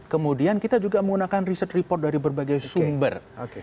kemudian kita juga menggunakan riset report dari berbagai sumber